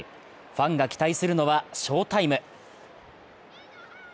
ファンが期待するのは翔タイム。